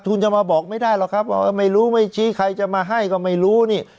คุณจะมาบอกไม่ได้หรอกครับว่าไม่รู้ไม่ชี้ใครจะมาให้ก็ไม่รู้นี่